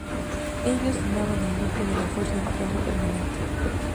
Ellos formaban el núcleo de la fuerza de trabajo permanente.